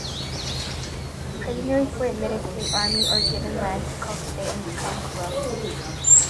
Prisoners were admitted to the army or given land to cultivate and become coloni.